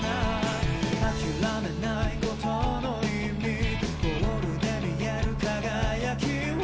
「諦めないことの意味」「ゴールで見える輝きを」